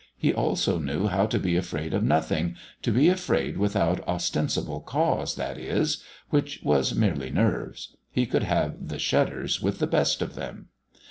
He also knew how to be afraid of Nothing, to be afraid without ostensible cause, that is which was merely "nerves." He could have "the shudders" with the best of them.